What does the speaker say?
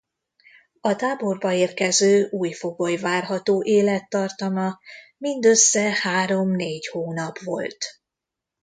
A táborba érkező új fogoly várható élettartama mindössze három-négy hónap volt.